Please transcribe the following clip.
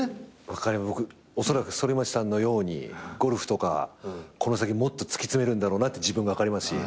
僕おそらく反町さんのようにゴルフとかこの先もっと突き詰めるんだろうなって自分分かりますし。